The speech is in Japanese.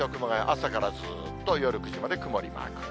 朝からずーっと夜９時まで曇りマーク。